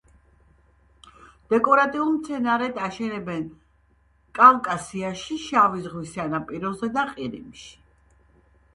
დეკორატიულ მცენარედ აშენებენ კავკასიაში შავი ზღვის სანაპიროზე და ყირიმში.